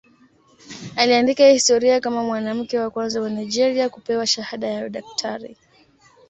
Aliandika historia kama mwanamke wa kwanza wa Nigeria kupewa shahada ya udaktari.